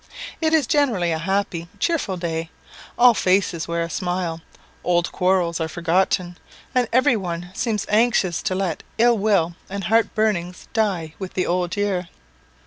It is generally a happy, cheerful day; all faces wear a smile, old quarrels are forgotten, and every one seems anxious to let ill will and heart burnings die with the old year.